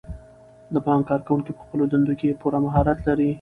د بانک کارکوونکي په خپلو دندو کې پوره مهارت لري.